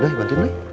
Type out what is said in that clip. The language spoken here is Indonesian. udah dibantuin mak